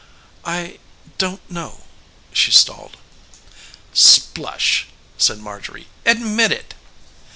"I don't know," she stalled. "Splush!" said Marjorie. "Admit it!"